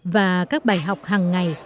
và các bài học hằng ngày